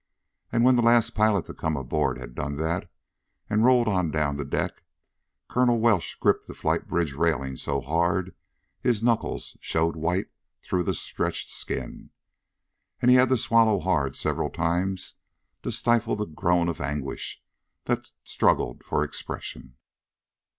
And when the last pilot to come aboard had done that, and rolled on down the deck, Colonel Welsh gripped the flight bridge railing so hard his knuckles showed white through the stretched skin. And he had to swallow hard several times to stifle the groan of anguish that struggled for expression.